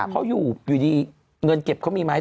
เขาอยู่ดีเงินเก็บเขามีไหม